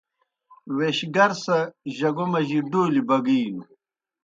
ویش گر سہ جگو مجی ڈولیْ بگِینوْ۔